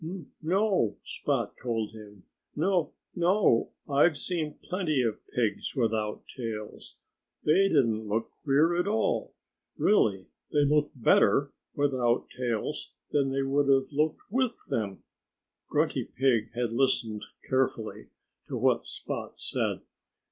"N no!" Spot told him. "N no! I've seen plenty of pigs without tails. They didn't look queer at all. Really, they looked better without tails than they would have looked with them." Grunty Pig had listened carefully to what Spot said.